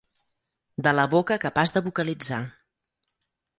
De la boca capaç de vocalitzar.